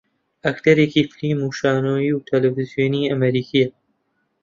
ئەکتەرێکی فیلم و شانۆ و تەلەڤیزیۆنی ئەمریکییە